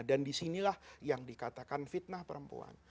dan disinilah yang dikatakan fitnah perempuan